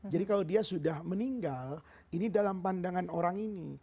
jadi kalau dia sudah meninggal ini dalam pandangan orang ini